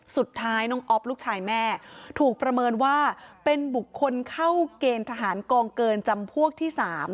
สุดท้ายน้องอ๊อฟลูกชายแม่ถูกประเมินว่าเป็นบุคคลเข้าเกณฑ์ทหารกองเกินจำพวกที่๓